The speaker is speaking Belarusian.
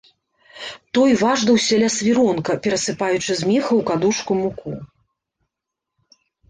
Той важдаўся ля свіронка, перасыпаючы з меха ў кадушку муку.